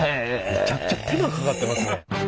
めちゃくちゃ手間かかってますね。